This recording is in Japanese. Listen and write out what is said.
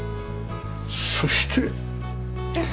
そして。